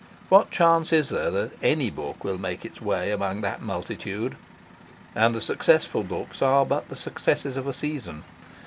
What chance is there that any book will make its way among that multitude? And the successful books are but the successes of a season.